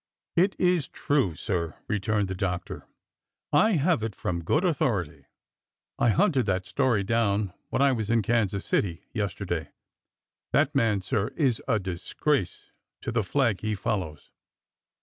" It is true, sir," returned the doctor. I have it from good authority. I hunted that story down when I was in Kansas City yesterday. That man, sir, is a disgrace to the flag he follows